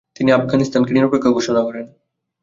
তিনি আফগানিস্তানকে নিরপেক্ষ ঘোষণা করেন।